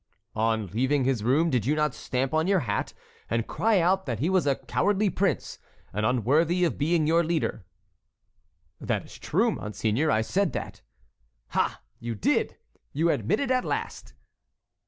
"On leaving his room did you not stamp on your hat, and cry out that he was a cowardly prince, and unworthy of being your leader?" "That is true, monseigneur, I said that." "Ah! you did? you admit it at last?"